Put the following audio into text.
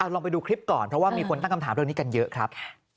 ลองไปดูคลิปก่อนเพราะว่ามีคนตั้งคำถามเรื่องนี้กันเยอะครับ